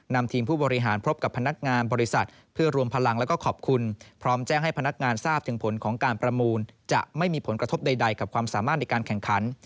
นำทีมผู้บริหารพบกับพนักงานบริษัทเพื่อรวมพลังแล้วก็ขอบคุณพร้อมแจ้งให้พนักงานทราบถึงผลของการประมูลจะไม่มีผลกระทบใดกับความสามารถในการแข่งขัน